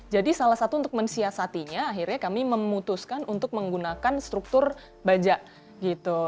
jadi salah satu untuk mensiasatinya akhirnya kami memutuskan untuk menggunakan struktur baja gitu